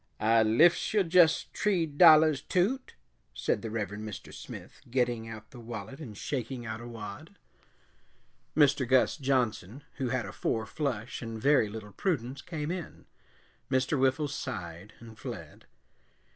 "I liffs yo' jess tree dollahs, Toot," said the Reverend Mr. Smith, getting out the wallet and shaking out a wad. Mr. Gus Johnson, who had a four flush and very little prudence, came in. Mr. Whiffles sighed and fled.